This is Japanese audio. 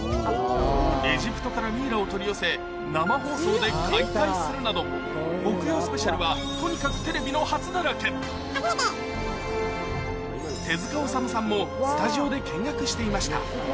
エジプトからミイラを取り寄せ『木曜スペシャル』はとにかくテレビの初だらけ手治虫さんもスタジオで見学していました